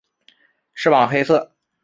翅膀黑色。